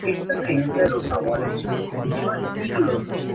Primero tuvo que enfrentar un conflicto militar con los señores de Beaujeu.